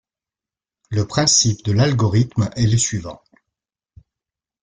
Le principe de l'algorithme est le suivant.